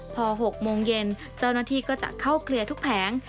พอ๖โมงเย็นเจ้าหน้าที่ก็จะเข้าเคลียร์ทุกแผง